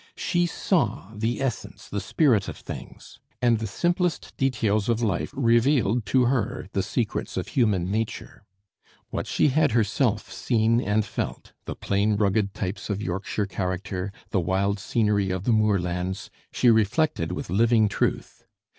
She saw the essence, the spirit of things, and the simplest details of life revealed to her the secrets of human nature. What she had herself seen and felt the plain rugged types of Yorkshire character, the wild scenery of the moorlands she reflected with living truth.